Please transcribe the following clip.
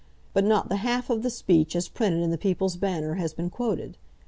But not the half of the speech as printed in the People's Banner has been quoted.